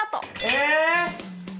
え！